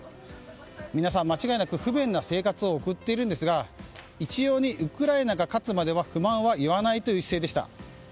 皆さん間違いなく不便な生活を送っているんですが一様にウクライナが勝つまでは不満は言わないという姿勢でした。